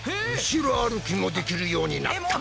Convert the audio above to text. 後ろ歩きもできるようになった！